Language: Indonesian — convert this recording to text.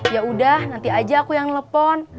yaudah nanti aja aku yang telepon